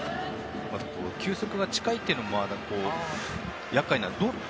球速が近いというのも厄介なのかな。